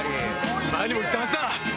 前にも言ったはずだ！